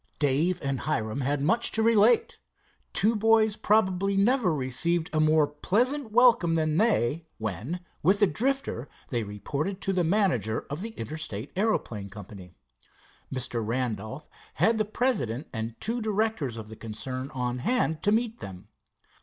Dave and Hiram had much to relate. Two boys probably never received a more pleasant welcome than they, when with the Drifter they reported to the manager of the Interstate Aeroplane Company. Mr. Randolph had the president and two directors of the concern on hand to meet them.